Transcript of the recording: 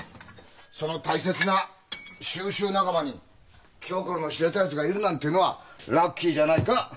その大切な修習仲間に気心の知れたやつがいるなんていうのはラッキーじゃないか。